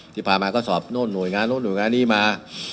ที่ผ่านมาก็สอบโน่นหน่วยงานโน้นหน่วยงานนี้มา